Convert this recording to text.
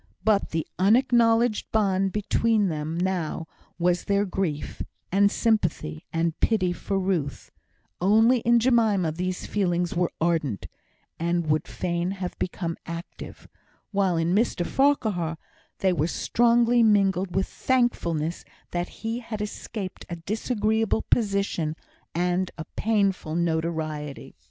But the unacknowledged bond between them now was their grief, and sympathy, and pity for Ruth; only in Jemima these feelings were ardent, and would fain have become active; while in Mr Farquhar they were strongly mingled with thankfulness that he had escaped a disagreeable position, and a painful notoriety.